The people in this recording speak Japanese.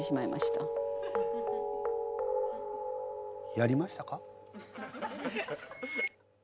やりましたか？